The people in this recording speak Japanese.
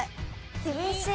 厳しい。